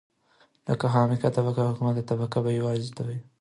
لکه حاکمه طبقه ،محکومه طبقه بوژوايي طبقه